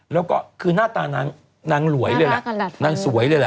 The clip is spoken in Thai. แล้วก็คือหน้าตานางนางหลวยเลยแหละนางสวยเลยแหละ